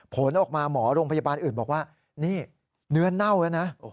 ผลออกมาหมอโรงพยาบาลอื่นบอกว่านี่เนื้อเน่าแล้วนะ